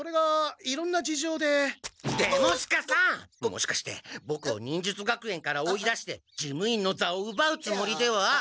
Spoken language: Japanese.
もしかしてボクを忍術学園から追い出して事務員の座をうばうつもりでは？